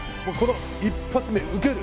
一発目、受ける。